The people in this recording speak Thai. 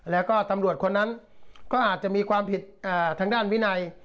แล้วก็ตำรวจคนนั้นก็อาจจะมีความผิดทางด้านวินัย